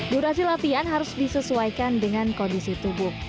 durasi latihan harus disesuaikan dengan kondisi tubuh